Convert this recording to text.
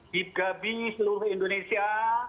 di gabi seluruh indonesia